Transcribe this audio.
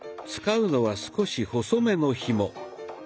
使うのは少し細めのひも。